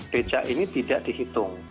becak ini tidak dihitung